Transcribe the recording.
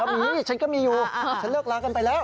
มีฉันก็มีอยู่ฉันเลิกลากันไปแล้ว